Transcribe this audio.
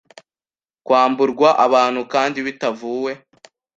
Kwamburwa abantu kandi bitavuwe